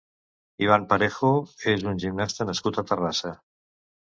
Ivan Parejo és un gimnasta nascut a Terrassa.